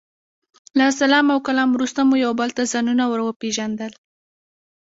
له سلام او کلام وروسته مو یو بل ته ځانونه ور وپېژندل.